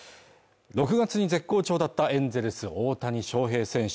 ６月に絶好調だったエンゼルス大谷翔平選手